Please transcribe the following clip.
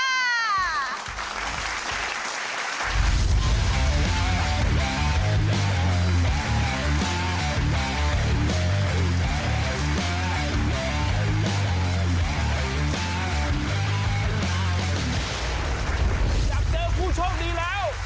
อยากเจอผู้โชคดีแล้ว